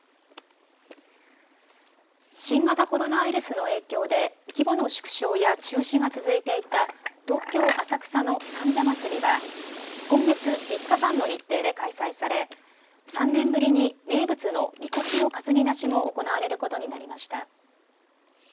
新型コロナウイルスの影響で規模の縮小や中止が続いていた東京浅草の三社祭は今月、３日間の日程で開催され３年ぶりに名物のみこしの担ぎ出しも行われることになりました。